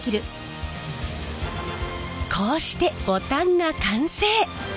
こうしてボタンが完成。